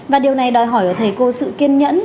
và điều này đòi hỏi ở thầy cô sự kiên nhẫn